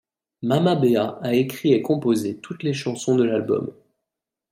Mama Béa a écrit et composé toutes les chansons de l'album.